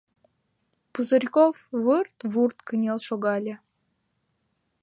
Пузырьков вырт-вурт кынел шогале.